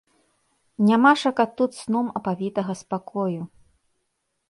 Нямашака тут сном апавітага спакою.